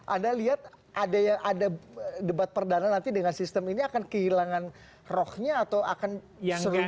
anda lihat ada yang ada debat perdana nanti dengan sistem ini akan kehilangan rocknya atau akan seru juga